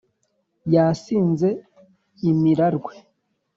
Yasinze imirarwe